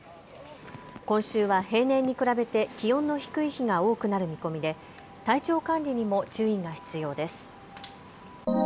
今週は平年に比べて気温の低い日が多くなる見込みで体調管理にも注意が必要です。